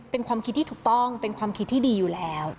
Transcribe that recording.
เป็นความคิดที่ถูกต้องเป็นความคิดที่ดีอยู่แล้ว